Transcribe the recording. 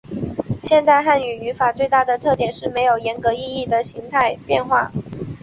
现代汉语语法最大的特点是没有严格意义的形态变化。